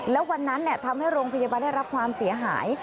แล้ววันนั้นทำให้โรงพยาบาลได้รับความเสียหาย